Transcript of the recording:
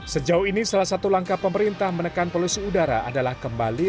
sejauh ini salah satu langkah pemerintah menekan polusi udara adalah kembali